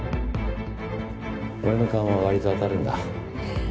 俺の勘は割と当たるんだ。